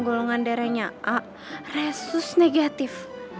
golongan darahnya a resus negatif